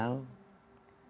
akhirnya masuk studio tv gimana